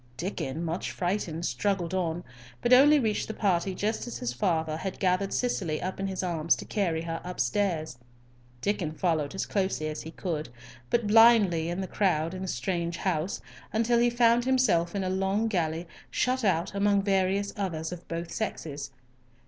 Diccon, much frightened, struggled on, but only reached the party just as his father had gathered Cicely up in his arms to carry her upstairs. Diccon followed as closely as he could, but blindly in the crowd in the strange house, until he found himself in a long gallery, shut out, among various others of both sexes.